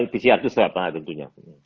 pcr itu swab tentunya